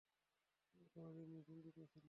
তুমি আমাদের নিয়ে চিন্তিত ছিলে।